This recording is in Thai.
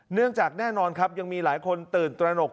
เนื่องจากแน่นอนครับยังมีหลายคนตื่นตระหนก